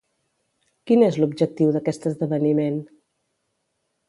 Quin és l'objectiu d'aquest esdeveniment?